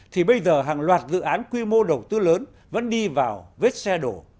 thì bây giờ hàng loạt dự án quy mô đầu tư lớn vẫn đi vào vết xe đổ